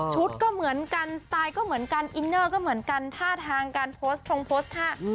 ก็เหมือนกันสไตล์ก็เหมือนกันอินเนอร์ก็เหมือนกันท่าทางการโพสต์ทงโพสต์ท่า